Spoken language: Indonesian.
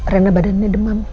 rena badannya demam